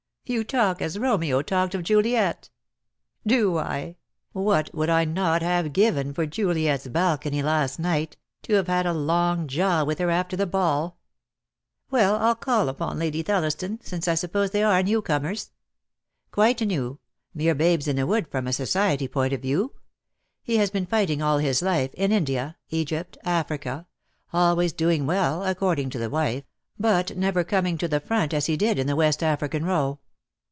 "You talk as Romeo talked of Juliet." "Do I? What would I not have given for Juliet's balcony last night — to have had a long jaw with her after the ball?" "Well, I'll call upon Lady Thelliston — since I suppose they are new comers." "Quite new; mere babes in the wood from a society point of view. He has been fighting all his life — in India — Egypt — Africa — always doing well — according to the wife — but never coming to the front as he did in the West African row.